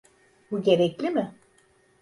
Bu gerekli mi?